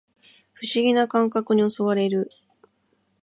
不思議な感覚に襲われる